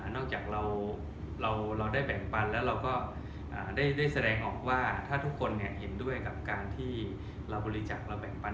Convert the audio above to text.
นอกจากเราได้แบ่งปันแล้วเราก็ได้แสดงออกว่าถ้าทุกคนเห็นด้วยกับการที่เราบริจักษ์เราแบ่งปัน